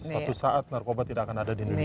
suatu saat narkoba tidak akan ada di indonesia